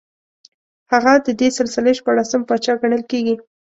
هغه د دې سلسلې شپاړسم پاچا ګڼل کېږي